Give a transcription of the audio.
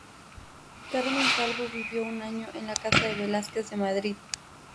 Carmen Calvo vivió un año en la Casa de Velázquez de Madrid.